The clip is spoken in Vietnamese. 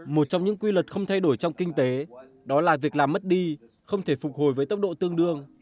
một trong những quy luật không thay đổi trong kinh tế đó là việc làm mất đi không thể phục hồi với tốc độ tương đương